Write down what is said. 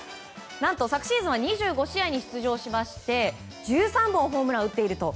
何と昨シーズンは２５試合に出場しまして１３本ホームランを打っていると。